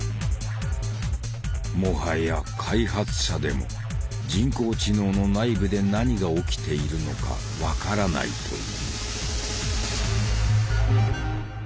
もはや開発者でも人工知能の内部で何が起きているのか分からないという。